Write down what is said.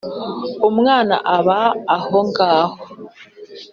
umwana aba ahongaho;